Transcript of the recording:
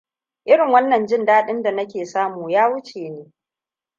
Irin wannan jin daɗin da nake samu ya wuce ni.